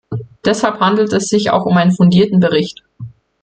Deshalb handelt es sich auch um einen fundierten Bericht.